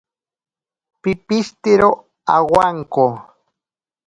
Pipishitero awanko.